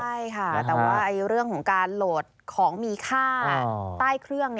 ใช่ค่ะแต่ว่าเรื่องของการโหลดของมีค่าใต้เครื่อง